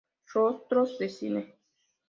Rostros de cine.